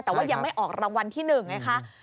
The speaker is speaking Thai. แต่ว่ายังไม่ออกรางวัลที่๑ไงคะ